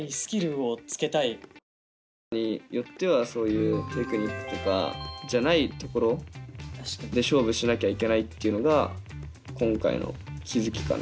テーマによってはそういうテクニックとかじゃないところで勝負しなきゃいけないっていうのが今回の気付きかな。